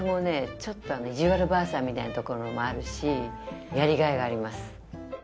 ちょっと意地悪ばあさんみたいなところもあるしやりがいがあります